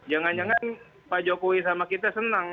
jangan jangan pak jokowi sama kita senang